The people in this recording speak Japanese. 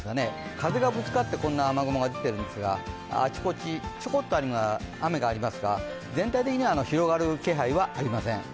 風がぶつかってこんな雨雲が来てるんですが、あちこちちょこっと雨がありますが全体的には広がる気配はありません。